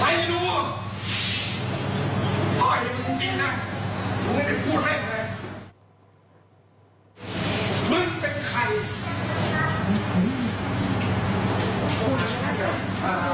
อ้าวเดี๋ยวเราลองไปดูอีกมุมหนึ่งนะครับ